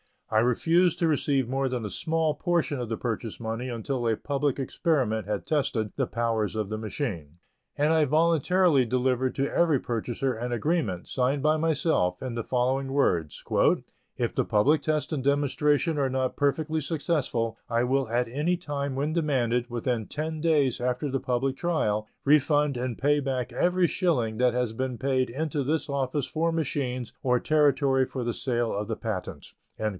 I refused to receive more than a small portion of the purchase money until a public experiment had tested the powers of the machine, and I voluntarily delivered to every purchaser an agreement, signed by myself, in the following words: "If the public test and demonstration are not perfectly successful, I will at any time when demanded, within ten days after the public trial, refund and pay back every shilling that has been paid into this office for machines or territory for the sale of the patent."